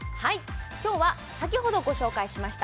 今日は先ほどご紹介しました